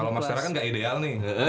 kalau mas serah kan nggak ideal nih